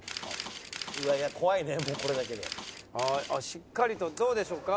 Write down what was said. しっかりとどうでしょうか？